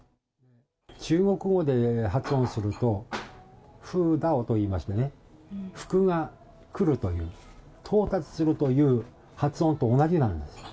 中国語で発音すると、フーダオといいましてね、福が来るという、到達するという発音と同じなんです。